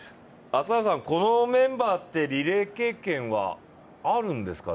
朝原さん、このメンバーってリレー経験はあるんですか？